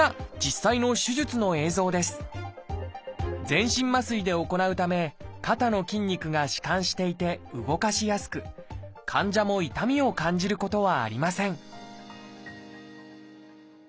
全身麻酔で行うため肩の筋肉が弛緩していて動かしやすく患者も痛みを感じることはありません